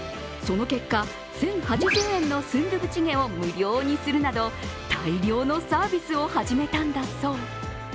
その結果１０８０円のスンドゥブチゲを無料にするなど大量のサービスを始めたんだそう。